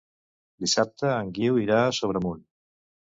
Dissabte en Guiu irà a Sobremunt.